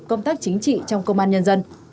công tác chính trị trong công an nhân dân